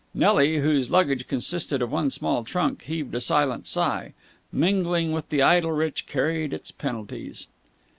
Nelly, whose luggage consisted of one small trunk, heaved a silent sigh. Mingling with the idle rich carried its penalties.